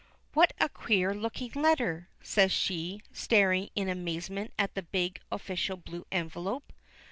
"What a queer looking letter," says she, staring in amazement at the big official blue envelope.